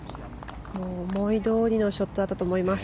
思いどおりのショットだったと思います。